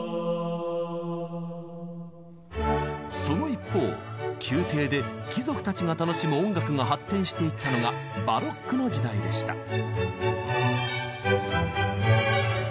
その一方宮廷で貴族たちが楽しむ音楽が発展していったのがバロックの時代でした。